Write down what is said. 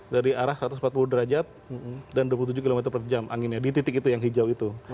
dari arah satu ratus empat puluh derajat dan dua puluh tujuh km per jam anginnya di titik itu yang hijau itu